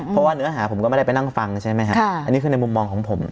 เพราะว่าเนื้อหาผมก็ไม่ได้ไปนั่งฟังใช่ไหมครับอันนี้คือในมุมมองของผม